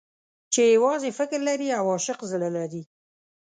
چې يوازې فکر لري او عاشق زړه لري.